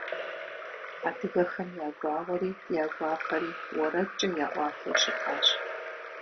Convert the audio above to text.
Адыгэхэм я гуауэри, я гуапэри уэрэдкӀэ яӀуатэу щытащ.